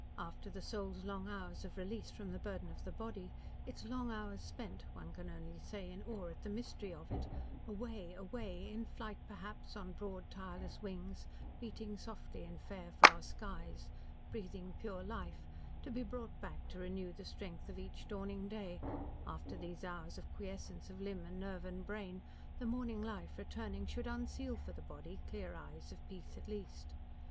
After the soul's long hours of release from the burden of the body, its long hours spent one can only say in awe at the mystery of it, "away, away" in flight, perhaps, on broad, tireless wings, beating softly in fair, far skies, breathing pure life, to be brought back to renew the strength of each dawning day; after these hours of quiescence of limb and nerve and brain, the morning life returning should unseal for the body clear eyes of peace at least.